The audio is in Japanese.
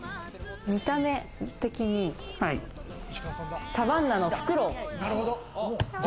見た目的にサバンナのフクロウ？